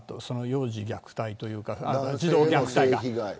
幼児虐待というか児童虐待。